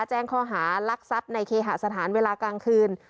แจ้งข้อหารักทรัพย์ในเคหาสถานเวลากลางคืน